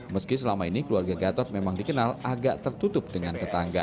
meski selama ini keluarga gatot memang dikenal agak tertutup dengan tetangga